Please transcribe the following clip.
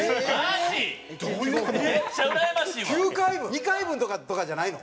２回分とかじゃないの？